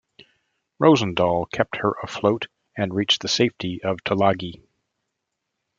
Rosendahl kept her afloat and reached the safety of Tulagi.